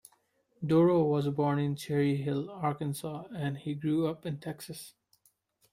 Dorough was born in Cherry Hill, Arkansas and grew up in Texas.